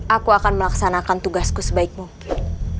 aku akan melaksanakan tugasku sebaik mungkin